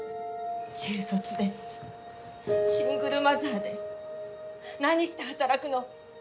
中卒でシングルマザーで何して働くの。